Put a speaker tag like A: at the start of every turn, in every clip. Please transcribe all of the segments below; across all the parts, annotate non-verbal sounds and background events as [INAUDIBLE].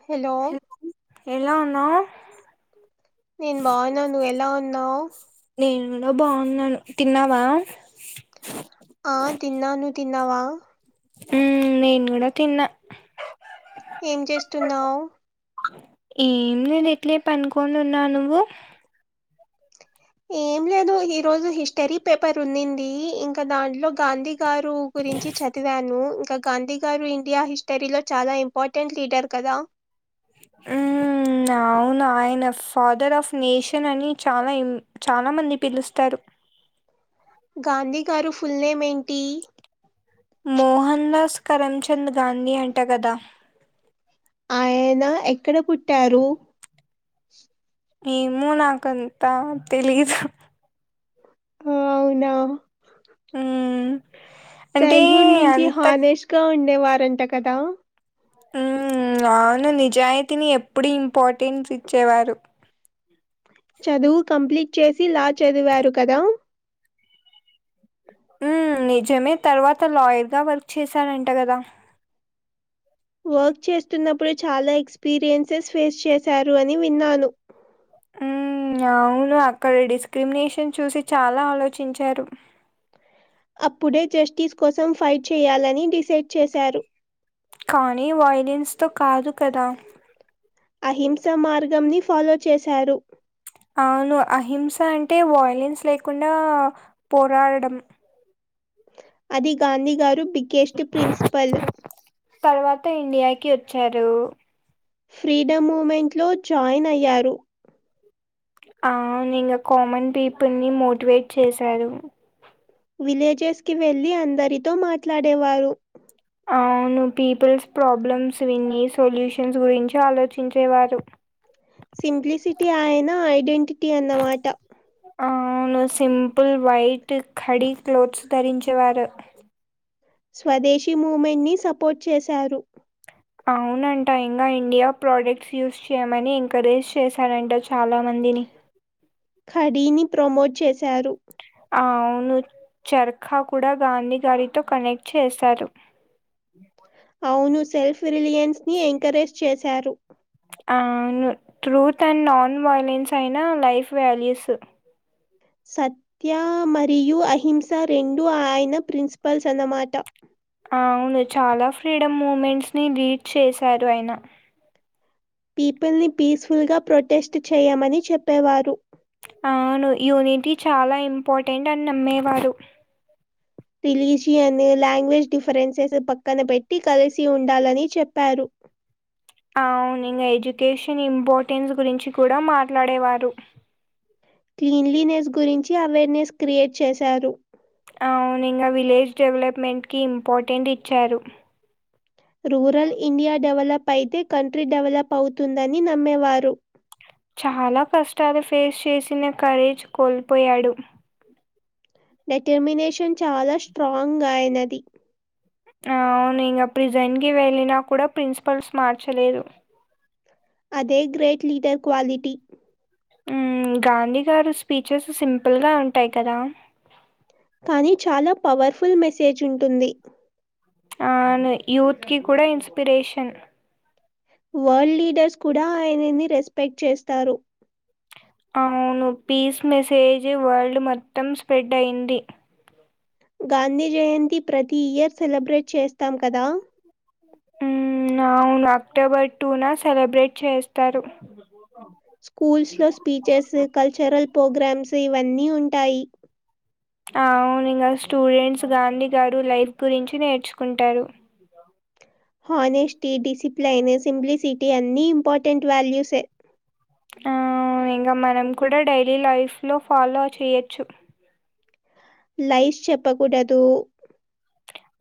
A: Hello
B: ఎలా ఉన్నావ్
A: నేను బాగున్నా నువ్ ఎలా ఉన్నావ్
B: నేన్ గుడ బావున్నాను తిన్నవా
A: ఆ తిన్నాను నువ్ తిన్నవా
B: ఊ నేన్ గుడ తిన్నా
A: ఏం చేస్తున్నావ్
B: ఏం లేద్ ఇట్లే పన్కోనున్నా నువ్వు
A: ఏం లేదు ఈ రోజు హిస్టరీ పేపర్ ఉన్నది ఇంక దాంట్లో గాంధీ గారు గురించి చదివాను ఇంకా గాంది గారూ ఇండియా హిస్టరీలో చాలా ఇంపార్టెంట్ లీడర్ కదా
B: ఊ ఔను ఆయన ఫాదర్ ఆఫ్ నేషన్ అని చాలా చాలా మంది పిలుస్తారు
A: గాంధీ గారు ఫుల్ నేమ్ ఏంటీ
B: మోహన్ దాస్ కరమ్చంద్ గాంధీ అంట గాద
A: ఆయన ఎక్కడ పుట్టారు
B: ఏమో నాకంత తెలీదు
A: అవునా
B: మ్మ్ అంటే
A: చైల్డ్హుడ్ నుంచి
B: అంత
A: హనేష్ ఇంకా ఉండేవారంట కదా
B: ఉ అవును నిజాయితీని ఎప్పుడు ఇంపార్టెన్స్ ఇచ్చేవారు.
A: చదువు కంప్లీట్ చేసి లా చదివారు కదా
B: ఉ నిజమే తర్వాత లాయర్ గా వర్క్ చేశారంట కదా
A: వర్క్ చేస్తున్నప్పుడు చాలా ఎక్స్పీరియన్సెస్ ఫేస్ చేశారు అని విన్నాను.
B: ఉ అవును అక్కడ డిస్క్రిమినేషన్ చూసి చాలా ఆలోచించారు.
A: అప్పుడే జస్టిస్ కోసం ఫైట్ చేయాలని డిసైడ్ చేశారు.
B: కానీ వాయలిన్స్ తో కాదు కదా
A: అహింస మార్గంని ఫాలో చేశారు.
B: అవును అహింస అంటే వయోలిన్స్ లేకుండా పోరాడడము.
A: అది గాంధీ గారు బిగ్గెస్ట్ ప్రిన్సిపల్.
B: తర్వాత ఇండియాకి వచ్చారు.
A: ఫ్రీడమ్ మూమెంట్లో జాయిన్ అయ్యారు.
B: ఆ ఇంకా కామన్ పీపుల్ని మోటివేట్ చేశారు.
A: విలేజెస్ కి వెళ్లి అందరితో మాట్లాడేవారు.
B: అవును పీపుల్స్ ప్రాబ్లమ్స్ విని సొల్యూషన్స్ గురించి ఆలోచించేవారు.
A: సింప్లిసిటీ ఆయన ఐడెంటిటీ అన్నమాట.
B: అవును సింపుల్ వైట్ ఖాడి క్లోత్స్ ధరించేవారు.
A: స్వదేశీ మూ్మెంట్ ని సపోర్ట్ చేశారు.
B: అవునంట ఇంకా ఇండియా ప్రోడక్ట్స్ యూస్ చేయమని ఎంకరేజ్ చేశారంట చాలా మందిని.
A: ఖడీని ప్రమోట్ చేశారు.
B: అవును చర్ఖా కూడా గాంధీ గారితో కనెక్ట్ చేశారు.
A: అవును సెల్ఫ్ రిలయన్స్ ని ఎంకరేజ్ చేశారు.
B: ఆ ట్రూత్ అండ్ నాన్ వయోలెన్స్ అయిన లైఫ్ వాల్యూస్.
A: సత్య మరియు అహింస రెండు ఆయన ప్రిన్సిపల్స్ అన్నమాట.
B: అవును చాలా ఫ్రీడమ్ మూమెంట్స్ ని లీడ్ చేశారు ఆయన
A: పీపుల్ ని పీస్ఫుల్ గా ప్రొటెస్ట్ చేయమని చెప్పేవారు.
B: అవును యూనిటీ చాలా ఇంపార్టెంట్ అని నమ్మేవారు.
A: రిలీజియన్, లాంగ్వేజ్ డిఫరెన్సెస్ పక్కన పెట్టి కలిసి ఉండాలని చెప్పారు.
B: అవును ఇంకా ఎడ్యుకేషన్ ఇంపార్టెన్స్ గురించి కూడా మాట్లాడేవారు.
A: క్లీన్లీనెస్ గురించి అవేర్నెస్ క్రియేట్ చేశారు
B: అవును ఇంకా విలేజ్ డెవలప్మెంట్కి ఇంపార్టెంట్ ఇచ్చారు
A: రూరల్ ఇండియా డెవలప్ అయితే కంట్రీ డెవలప్ అవుతుందని నమ్మేవారు
B: చాలా కష్టాలు ఫేస్ చేసిన కఖరేజ్ కోల్పోయాడు
A: డెటర్మినేషన్ చాలా స్ట్రాంగ్ అయినది
B: అవును ఇకా ప్రిజైన్కి వెళ్ళిన కూడా ప్రిన్సిపల్స్ మార్చలేదు
A: అదే గ్రేట్ లీడర్ క్వాలిటీ
B: హు గాంధీ గారు స్పీచెస్ సింపుల్గా ఉంటాయి కదా
A: కానీ చాలా పవర్ఫుల్ మెసేజ్ ఉంటుంది
B: ఆను యూత్ కి కూడా ఇన్స్పిరేషన్
A: వరల్డ్ లీడర్స్ కూడా ఆయనని రెస్పెక్ట్ చేస్తారు
B: అవును పీస్ మెసేజ్ వరల్డ్ మొత్తం స్ప్రెడ్ అయింది
A: గాంధీ జయంతి ప్రతి ఇయర్ సెలబ్రేట్ చేస్తాం కదా
B: ఉ అవును అక్టోబర్ టూ నా సెలబ్రేట్ చేస్తారు [UNINTELLIGIBLE]
A: స్కూల్స్ లో స్పీచెస్ కల్చరల్ ప్రోగ్రామ్స్ ఇవన్నీ ఉంటాయి
B: అవును ఇంకా స్టూడెంట్స్ గాంధీ గారు లైఫ్ గురించి నేర్చుకుంటారు
A: హానెస్టీ డిసిప్లిన్ సింప్లిసిటీ అన్ని ఇంపార్టెంట్ వాల్యూస్
B: ఆ ఇంకా మనం కూడా డైలీ లైఫ్ లో ఫాలో చేయొచ్చు
A: లైస్ చెప్పకూడదు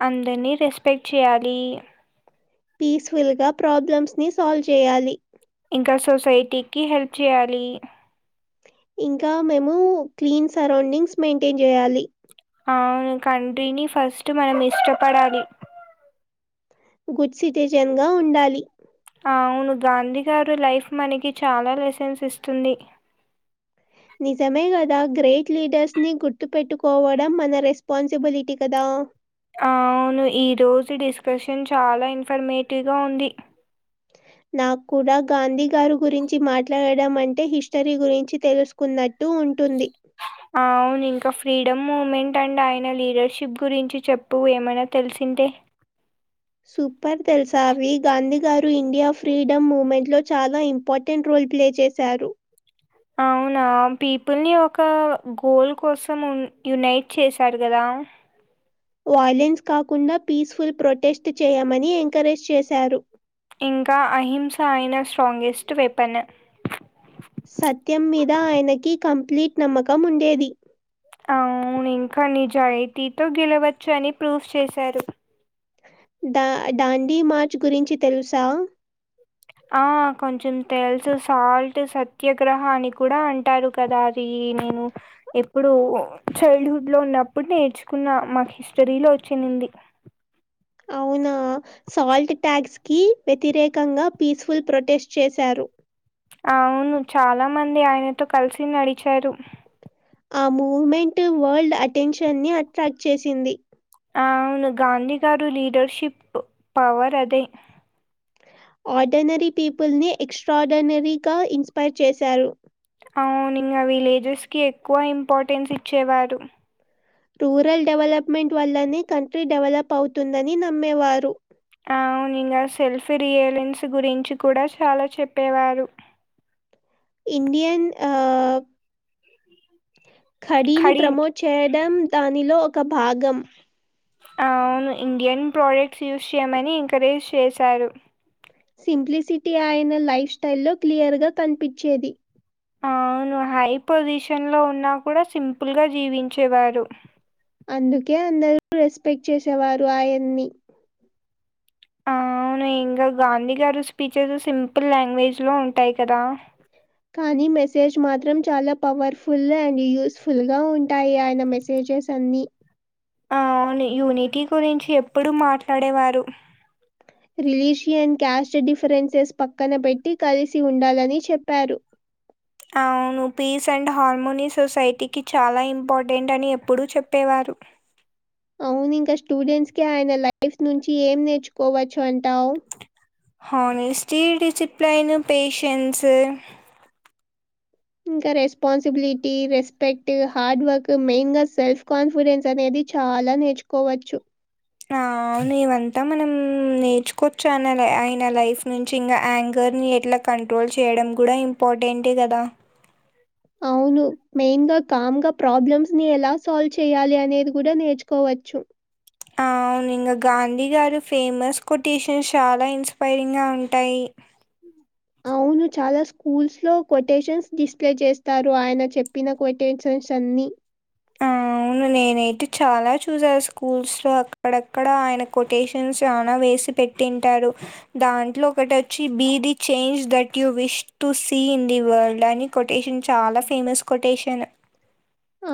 B: అందరినీ రెస్పెక్ట్ చేయాలి
A: పీస్ఫుల్ గా ప్రాబ్లమ్స్ ని సాల్వ్ చేయాలి
B: ఇంకా సొసైటీకిి హెల్ప్ చేయాలి
A: ఇంకా మేము క్లీన్ సరౌండింగ్స్ మెయింటైన్ చేయాలి
B: అవును కంట్రీని ఫస్ట్ మనం ఇష్టపడాలి
A: గుడ్ సిటిజన్ గా ఉండాలి
B: అవును గాంధీ గారు లైఫ్ మనకి చాలా లెసన్స్ ఇస్తుంది
A: నిజమే కదా గ్రేట్ లీడర్స్ని గుర్తుపెట్టుకోవడం మన రెస్పాన్సిబిలిటీ కదా
B: అవును ఈ రోజు డిస్కషన్ చాలా ఇన్ఫర్మేటివ్గా ఉంది
A: నాకు కూడా గాంధీ గారు గురించి మాట్లాడడం అంటే హిస్టరీ గురించి తెలుసుకో కున్నట్టు ఉంటుంది
B: అవును ఇంకా ఫ్రీడమ్ మూమెంట్ అండ్ ఆయన లీడర్షిప్ గురించి చెప్పు ఏమైనా తెలిసిందే
A: సూపర్ తెలిసావి Gandhi garu India freedom movement లో చాలా ఇం ఇంపార్టెంట్ రోల్ ప్లే చేశారు
B: అవునా పీపుల్ని ఒక గోల్ కోసం యునైట్ చేశాడు కదా
A: వాయలెన్స్ కాకుండా పీస్ఫుల్ ప్రొటెస్ట్ చేయమని ఎంకరేజ్ చేశారు
B: ఇంకా అహింస అయిన స్ట్రాంగెస్ట్ వెపన్
A: సత్యం మీద ఆయనకి కంప్లీట్ నమ్మకం ఉండేది
B: అవును ఇంకా నిజాయితీతో గెలవచ్చు అని ప్రూఫ్ చేశారు
A: ద డాండీ మార్చ్ గురించి తెలుసా
B: ఆ కొంచెం తెేల్సు సాల్ట్ సత్యాగ్రహాన్ని కూడా అంటే అంటారు కదా అది నేను ఎప్పుడు చైల్డ్హుడ్లో ఉన్నప్పుడు నేర్చుకున్న మాకు హిస్టరీలో వచ్చంది
A: అవునా సాల్ట్ ట్యాగ్స్ కి వ్యతిరేకంగా పీస్ఫుల్ ప్రొటెస్ట్ చేశారు
B: అవును చాలా మంది ఆయనతో కలిసి నడిచారు
A: ఆ మూమెంట్ వరల్డ్ అటెన్షన్ ని అట్రాక్ట్ చేసింది
B: అ అవును గాంధీ గారు లీడర్షిప్ పవర్ అది
A: ఆర్డనరీ పీపుల్ ని ఎక్స్ట్రాార్డినరీగా ఇన్స్పైర్ చేశారు
B: అవును ఇంగా విలేజెస్కి ఎక్కువ ఇంపార్టెన్స్ ఇచ్చేవారు
A: టురల్ డెవలప్మెంట్ వల్లనే కంట్రీ డెవలప్ అవుతుందని నమ్మేవారు
B: అవును ఇంగా సెల్ఫీ రియలెన్స్ గురించి కూడా చాలా చెప్పేవారు
A: ఇండియన్ ఆ కడిని
B: కడి
A: ప్రమోట్ చేయడం దానిలో ఒక భాగం
B: అవును ఇండియన్ ప్రోడక్ట్స్ యూస్ చేయమని ఎంకరేజ్ చేశారు
A: సింప్లిసిటీ ఆయన లైఫ్ స్టైల్లో క్లియర్గా కనిపించేది
B: అవును హై పొజిషన్ లో ఉన్నా కూడా సింపుల్ గా జీవించేవారు
A: అందుకే అందరు రెస్పెక్ట్ చేసేవారు ఆయన్ని
B: అవును ఇంగా గాంధీ గారు స్పీచెస్ సింపుల్ లాంగ్వేజ్ లో ఉంటాయి కదా
A: కానీ మెసేజ్ మాత్రం చాలా పవర్ఫుల్ అండ్ యూస్ ఫుల్ గా ఉంటాయి ఆయన మెసేజ పెజెస్ అన్ని
B: ఆవును యూనిటీ గురించి ఎప్పుడు మాట్లాడేవారు
A: రిలీజియన్ కస్ట్ డిఫరెన్సెస్ పక్కన పెట్టి కలిసి ఉండాలని చెప్పారు
B: అవును పీస్ అండ్ హార్మోనీ సొసైటీకి చాలా ఇంపార్టెంట్ అని ఎప్పుడూ చెప్పేవారు
A: అవును ఇంకా స్టూడెంట్స్ కి ఆయన లైఫ్ నుంచి ఏం నేర్చుకోవచ్చు అంటావు
B: హానెస్ట్రీ డిసిప్లైన్ పేషన్స్
A: ఇంకా responsibility respect hard work main గా సెల్ఫ్ కాన్ఫిడెన్స్ అనేది చాలా నేర్చుకోవచ్చు
B: ఆ! అవును ఇవంతా మనం నేర్చుకోవచ్చు అ ఆయన లైఫ్ నుంచి ఇంకా యాంగర్ ని ఎట్లా కంట్రోల్ చేయడం కూడా ఇంపార్టెంటే కదా
A: అవును మెయిన్ గా కామ్గా ప్రాబ్లమ్స్ ని ఎలా సాల్వ్ చేయాలి అనేది కూడా నేర్చుకోవచ్చు
B: అవును ఇంకా గాంధీ గారు ఫేమస్ కొటేషన్స్ చాలా ఇన్స్పైరింగ్ గా ఉంటాయి
A: అవును చాలా స్కూల్స్ లో కొటేషన్స్ డిస్ప్లే చేస్తారు ఆయన చెప్పిన కొటేషన్స్ అన్ని
B: ఆ! అవును నేనైతే చాలా చూసా స్కూల్స్ లో అక్కడక్కడ ఆయన కొటేషన్స్ చనా వేసి పెట్ తింటాడు దాంట్లో ఒకటి వచ్చి be the change that you wish to see in the world అని కొటేషన్ చాలా ఫేమస్ కొటేషన్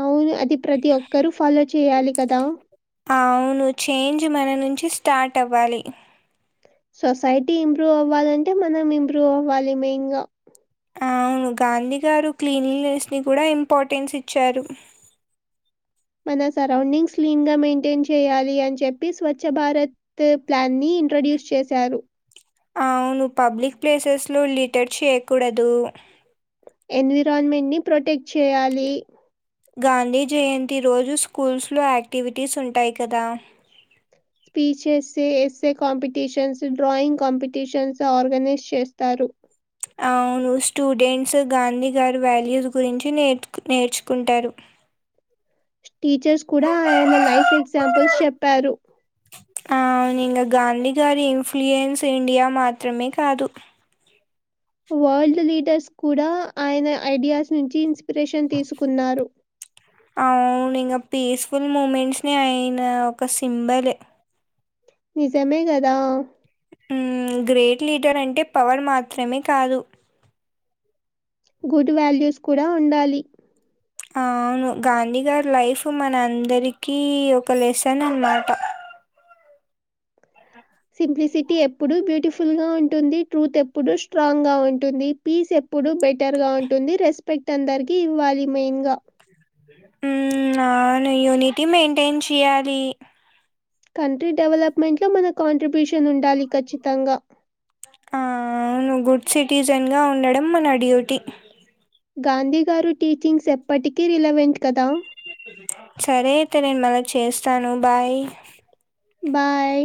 A: అవును అది ప్రతి ఒక్కరుూ ఫాలో చేయ్యాలి కదా
B: అవును చేంజ్ మన నుంచి స్టార్ట్ అవ్వాలి
A: సొసైటీ ఇంప్రూవ్ అవ్వాలంటే మనం ఇంప్రూవ్ అవ్వాలి మెయిన్ గా
B: అవును గాంధీ గారు క్లీన్లీనెస్ ని కూడా ఇంపార్టెన్స్ ఇచ్చారు
A: మన సరౌండింగ్స్ క్లీన్ గా మెయింటైన్ చేయాలి అని చెప్పి స్వచ్ఛ భారత్ సార్ ప్లాన్ ని ఇంట్రొడ్యూస్ చేశారు
B: అవును పబ్లిక్ ప్లేసెస్ లో లీటర్ చేయ్యకూడదు
A: ఎన్విరాలన్మెంట్ ని ప్రొటెక్ట్ చేయాలి
B: గాంధీ జయంతి రోజు స్కూల్స్లో యాక్టివిటీస్ ఉంటాయి కదా
A: speeches essay competitions drawing competitions organize చేస్తారు
B: అవును స్టూడెంట్స్ గాంధీ గారి వాల్యూస్ గురించి నేర్చుకుంటారు
A: టీచర్స్ కూడా ఆయన లైఫ్ ఎగ్జాంపుల్స్ చెప్పారు
B: అవును ఇంగ గాంధీ గారి ఇన్ఫ్లుయెన్స్ ఇండియా మాత్రమే కాదు
A: వరల్డ్ లీడర్స్ కూడా ఆయన ఐడియాస్ నుంచి ఇన్స్పిరేషన్ తీసుకున్నారు
B: అవును ఇంగ పీస్ఫుల్ మూమెంట్స్ ని అయన ఒక సింబలు
A: నిజమే గదా
B: ఉమ్ గ్రేట్ లీటర్ అంటే పవర్ మాత్రమే కాదు
A: గుడ్ వాల్యూస్ కూడా ఉండాలి
B: అ అవును గాంధీ గారి లైఫ్ మన అందరికీ ఒక లెసన్ అనమాట
A: సింప్లిసిటీ ఎప్పుడూ బ్యూటిఫుల్ గా ఉంటుంది ట్రూత్ ఎప్పుడూ స్ట్రాంగ్ గా ఉంటుంది పీస్ ఎప్పుడూ బెటర్గా ఉంటుంది రెస్పెక్ట్ అందరికీ ఇవ్వాలి మెయిన్ గా
B: ఉమ్ అవును యూనిటీ మెయింటైన్ చేయాలి
A: కంట్రీ డెవలప్మెంట్ లో మన కాంట్రిబ్యూషన్ ఉండాలి ఖచ్చితంగా
B: ఆ ఔను గుడ్ సిటిజన్ గా ఉండడం మన డ్యూటీ
A: గాంధీ గారు టీచింగ్స్ ఎప్పటికీ రిలెవెంట్ కదా
B: సరే అయితే నేను మళ్ళ చేస్తాను బాయ్
A: బాయ్